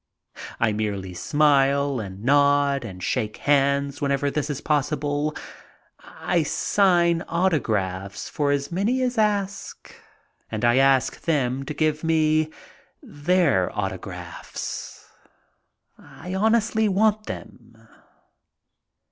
I merely smile and nod and shake hands whenever this is possible. I sign autographs for as many as ask and I ask them to give me their autographs. I honestly want them.